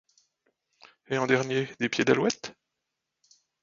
Et en dernier des pieds d’alouette ?